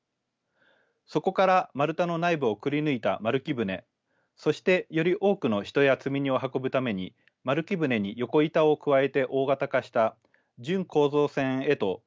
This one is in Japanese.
そこから丸太の内部をくりぬいた丸木舟そしてより多くの人や積み荷を運ぶために丸木舟に横板を加えて大型化した準構造船へと改良していきました。